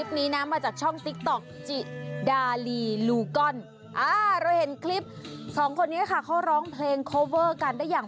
เพราะแค่มีไอ้หัวน้ำเหลือแกเป็นสิ่งเป็นทั้งใกล้พักกัน